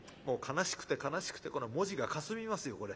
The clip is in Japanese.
もう悲しくて悲しくて文字がかすみますよ